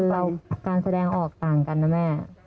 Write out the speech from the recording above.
เราการแสดงออกต่างกันนะแม่